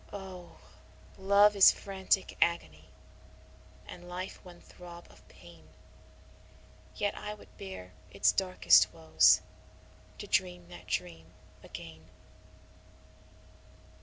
Oh! love is frantic agony, and life one throb of pain; Yet I would bear its darkest woes to dream that dream again.